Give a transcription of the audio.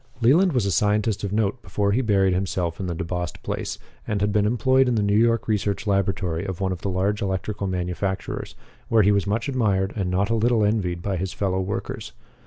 Leland was a scientist of note before he buried himself in the DeBost place, and had been employed in the New York research laboratory of one of the large electrical manufacturers, where he was much admired and not a little envied by his fellow workers.